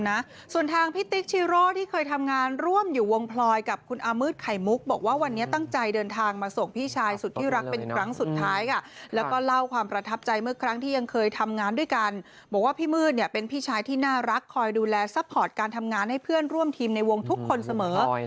นะส่วนทางพี่ติ๊กชีโร่ที่เคยทำงานร่วมอยู่วงพลอยกับคุณอามืดไข่มุกบอกว่าวันนี้ตั้งใจเดินทางมาส่งพี่ชายสุดที่รักเป็นครั้งสุดท้ายค่ะแล้วก็เล่าความประทับใจเมื่อครั้งที่ยังเคยทำงานด้วยกันบอกว่าพี่มืดเนี่ยเป็นพี่ชายที่น่ารักคอยดูแลซัพพอร์ตการทำงานให้เพื่อนร่วมทีมในวงทุกคนเสมอ